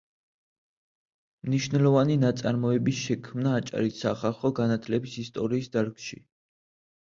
მნიშვნელოვანი ნაშრომები შექმნა აჭარის სახალხო განათლების ისტორიის დარგში.